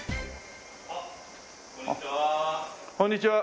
あっこんにちは。